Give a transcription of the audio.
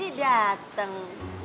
ini daddy datang